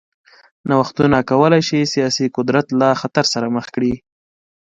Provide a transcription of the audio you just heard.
نوښتونه کولای شي سیاسي قدرت له خطر سره مخ کړي.